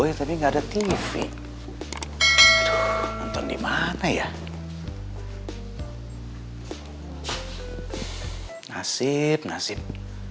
dulu punya ruangan sendiri punya tv sendiri